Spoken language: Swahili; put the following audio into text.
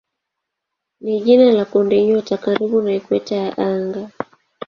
ni jina la kundinyota karibu na ikweta ya anga.